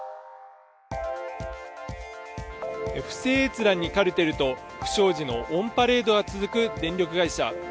不正閲覧にカルテルと不祥事のオンパレードが続く電力会社。